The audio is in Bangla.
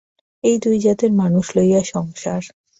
এই দুই জাতের মানুষ লইয়া সংসার।